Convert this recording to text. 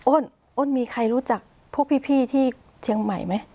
อ้นมีใครรู้จักพวกพี่ที่เชียงใหม่ไหม